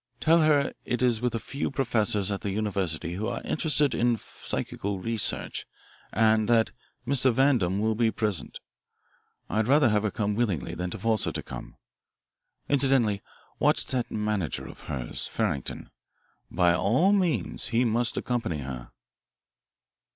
Tell her it is with a few professors at the university who are interested in psychical research and that Mr. Vandam will be present. I'd rather have her come willingly than to force her to come. Incidentally watch that manager of hers, Farrington. By all means he must accompany her."